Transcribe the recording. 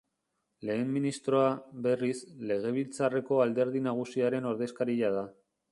Lehen Ministroa, berriz, legebiltzarreko alderdi nagusiaren ordezkaria da.